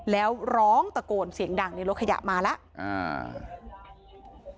แล้วร้องตะโกนเสียงดังในรถขยะมาแล้วอ่า